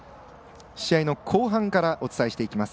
試合の後半からお伝えしていきます。